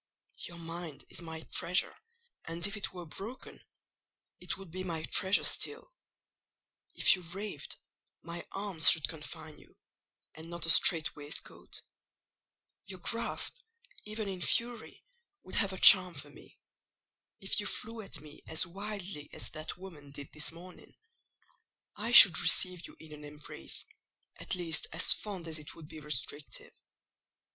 Your mind is my treasure, and if it were broken, it would be my treasure still: if you raved, my arms should confine you, and not a strait waistcoat—your grasp, even in fury, would have a charm for me: if you flew at me as wildly as that woman did this morning, I should receive you in an embrace, at least as fond as it would be restrictive.